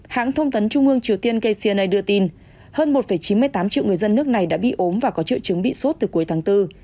hãng thông tấn trung ương triều tiên kcna đưa tin hơn một chín mươi tám triệu người dân nước này đã bị ốm và có triệu chứng bị sốt từ cuối tháng bốn